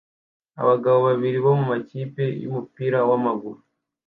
Abagabo babiri bo mumakipe yumupira wamaguru